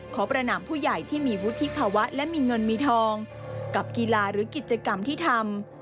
ประนามผู้ใหญ่ที่มีวุฒิภาวะและมีเงินมีทองกับกีฬาหรือกิจกรรมที่ทำ